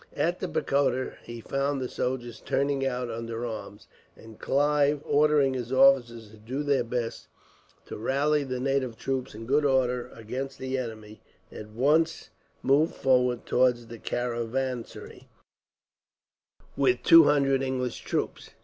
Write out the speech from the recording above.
At the pagoda he found the soldiers turning out under arms, and Clive, ordering his officers to do their best to rally the native troops in good order against the enemy, at once moved forward towards the caravansary, with two hundred English troops.